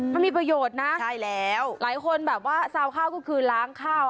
มันมีประโยชน์นะใช่แล้วหลายคนแบบว่าซาวข้าวก็คือล้างข้าว